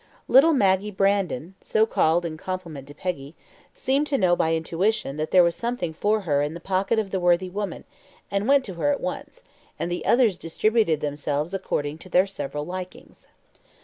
Little Maggie Brandon (so called in compliment to Peggy) seemed to know by intuition that there was something for her in the pocket of the worthy woman, and went to her at once; and the others distributed themselves according to their several likings.